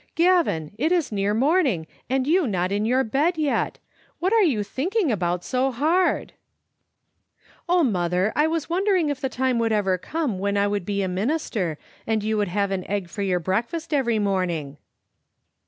" Gavin, it is near morning, and you not in your bed yet! What are you thinking about so hard?" Digitized by VjOOQ IC U TTbe Xfttle Ainf6ter* " Oh, mother, I was wondering if the time would ever come when I would be a minister, and you would have an egg for your breakfast every morning."